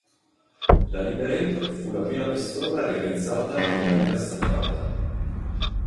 La Liberator fu la prima pistola realizzata in lamiera stampata.